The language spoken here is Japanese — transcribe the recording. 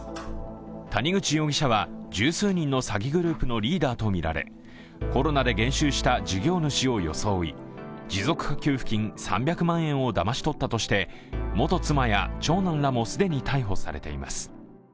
谷口容疑者は十数人の詐欺グループのリーダーとみられコロナで減収した事業主を装い持続化給付金３００万円をだまし取ったとして、元妻や長男らも既に逮捕されています。